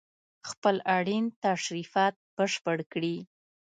خپل اړين تشريفات بشپړ کړي